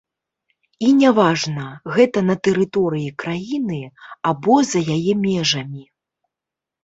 І не важна, гэта на тэрыторыі краіны або за яе межамі.